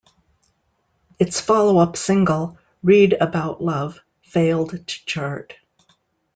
Its follow-up single, "Read About Love" failed to chart.